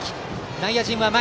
内野陣は前。